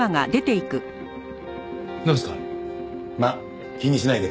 まあ気にしないで。